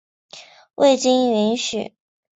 未经允许